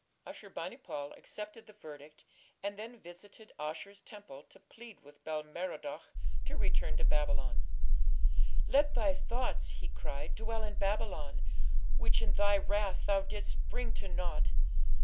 Ashur bani pal accepted the verdict, and then visited Ashur's temple to plead with Bel Merodach to return to Babylon. "Let thy thoughts", he cried, "dwell in Babylon, which in thy wrath thou didst bring to naught.